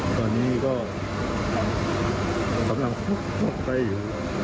ตอนนี้ก็สำหรับพบไตอยู่